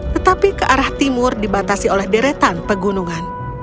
tetapi ke arah timur dibatasi oleh deretan pegunungan